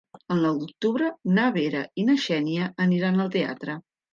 El nou d'octubre na Vera i na Xènia aniran al teatre.